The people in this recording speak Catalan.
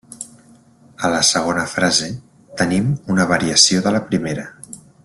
A la segona frase tenim una variació de la primera.